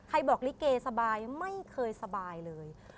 บอกลิเกสบายไม่เคยสบายเลย